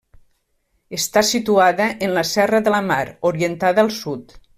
Està situada en la serra de la Mar, orientada al sud.